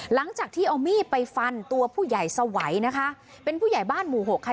หลังจากที่เอามีดไปฟันตัวผู้ใหญ่สวัยนะคะเป็นผู้ใหญ่บ้านหมู่หกค่ะ